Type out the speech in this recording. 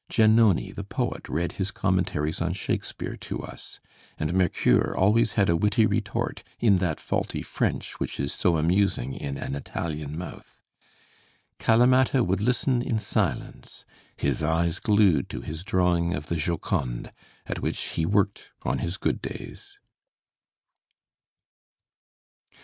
Giannone, the poet, read his commentaries on Shakespeare to us, and Mercure always had a witty retort in that faulty French which is so amusing in an Italian mouth. Calamatta would listen in silence, his eyes glued to his drawing of the 'Joconde,' at which he worked on his good days.